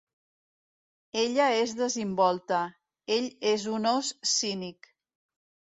Ella és desimbolta, ell és un ós cínic.